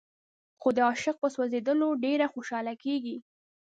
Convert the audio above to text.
خو د عاشق په سوځېدلو ډېره خوشاله کېږي.